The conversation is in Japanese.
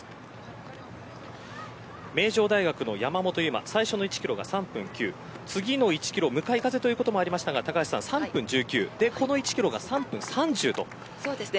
名城大学の山本最初の１キロが３分９次の１キロ、向かい風ということもありましたが３分１９でこの１キロが３分３０ということです。